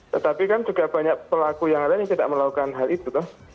tetapi kan juga banyak pelaku yang lain yang tidak melakukan hal itu